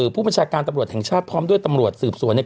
ผู้บัญชาการตำรวจแห่งชาติพร้อมด้วยตำรวจสืบสวนเนี่ย